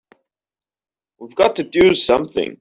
We've got to do something!